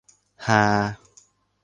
- ฮา